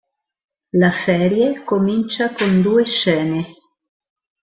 La serie comincia con due scene.